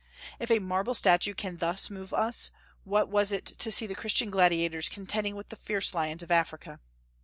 If a marble statue can thus move us, what was it to see the Christian gladiators contending with the fierce lions of Africa!